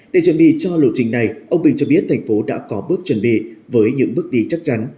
để chuẩn bị cho lộ trình này ông bình cho biết thành phố đã có bước chuẩn bị với những bước đi chắc chắn